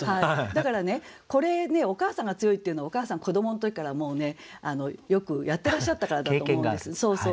だからねこれねお母さんが強いっていうのはお母さん子どもの時からもうねよくやってらっしゃったからだと思うんです。